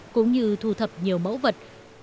cũng như thu thập nhiều mẫu vật